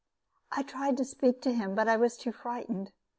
I tried to speak to him, but was too frightened.